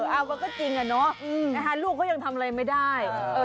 เอออ่ะวันก็จริงเนอะใช่ค่ะลูกเขาย่างทำอะไรไม่ได้